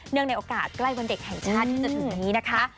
ในโอกาสใกล้วันเด็กแห่งชาติที่จะถึงนี้นะคะ